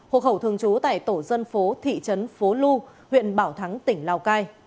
hộ khẩu thường trú tại tổ dân phố thị trấn phố lu huyện bảo thắng tỉnh lào cai